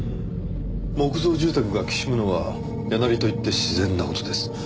木造住宅がきしむのは「家鳴り」と言って自然な事です。